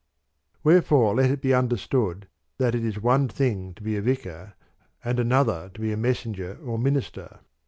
3. Wherefore let it be understood that it is one thing to be a vicar, and another to be a messenger or minister ; as it is one thing to 1.